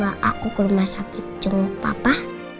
ma boleh nggak aku ke rumah sakit jenguk papa